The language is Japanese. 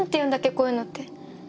こういうのって。